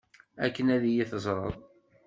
Akken ad iyi-teẓreḍ.